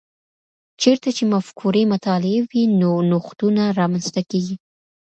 چیرته چي مفکورې مطالعې وي، نو نوښتونه رامنځته کیږي؟